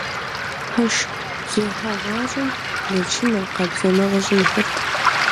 Пэш зехьагъащӏэм лэчымэ, къабзэмэ къыщӏихырт.